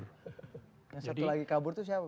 yang satu lagi kabur itu siapa